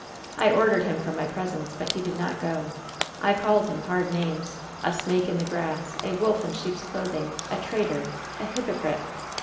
"I ordered him from my presence ; but he did not go. I called him hard names — a snake in the grass — a wolf in sheep's clothing, a traitor, a hypocrite.